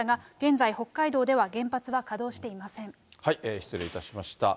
失礼いたしました。